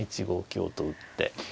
１五香と打って。